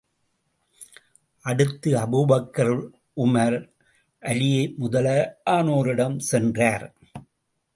அடுத்து அபூக்கர், உமர், அலீ முதலானோரிடம் சென்றார்.